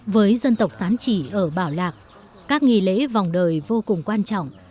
với dân tộc sán chí ở bảo lạc các nghỉ lễ vòng đời vô cùng quan trọng